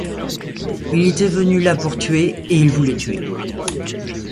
Il était venu là pour tuer, et il voulait tuer.